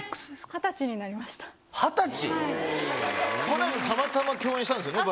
この間たまたま共演したんですよね